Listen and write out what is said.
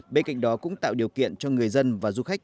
bên cạnh đó cũng tạo điều kiện cho người dân và du khách